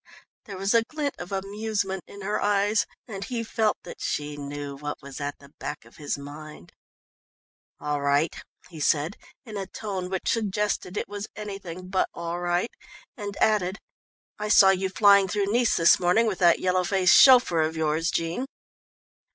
There was a glint of amusement in her eyes, and he felt that she knew what was at the back of his mind. "All right," he said in a tone which suggested that it was anything but all right, and added, "I saw you flying through Nice this morning with that yellow faced chauffeur of yours, Jean."